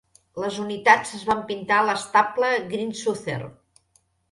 Les unitats es van pintar a l"estable Green Southern.